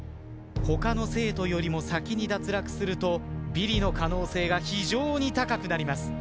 他の生徒よりも先に脱落するとビリの可能性が非常に高くなります。